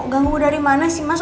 ganggu dari mana sih mas